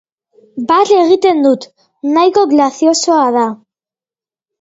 Barre egiten dut, nahiko graziosoa da.